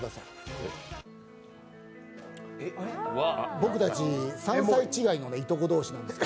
僕たち３歳違いのいとこ同士なんです。